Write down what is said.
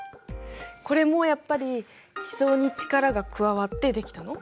これもやっぱり地層に力が加わってできたの？